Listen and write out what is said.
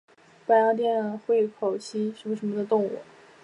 白洋淀缘口吸虫为棘口科缘口属的动物。